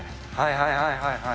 はいはいはいはい。